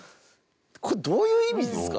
これ、どういう意味ですか？